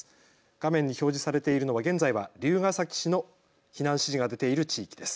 画面に表示されているのは現在は龍ケ崎市の避難指示が出ている地域です。